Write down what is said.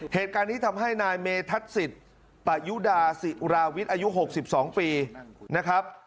เหตุการณ์นี้ทำให้นายเมทัศน์ศิษย์ปะยุดาศิราวิทย์อายุ๖๒ปีนะครับ